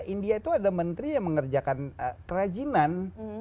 india itu ada menteri yang mengerjakan kerajinan